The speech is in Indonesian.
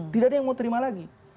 tidak ada yang mau terima lagi